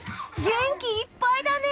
元気いっぱいだね！